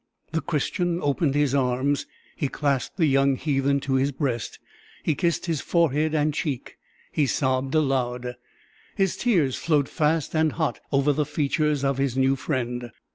The Christian opened his arms; he clasped the young heathen to his breast; he kissed his forehead and cheek; he sobbed aloud; his tears flowed fast and hot over the features of his new friend.